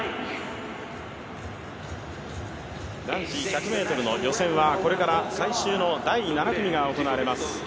男子１００ｍの予選はこれから最終の第７組が行われます。